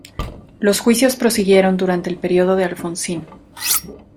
Los juicios prosiguieron durante el período de Alfonsín.